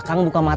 kau mau berangkat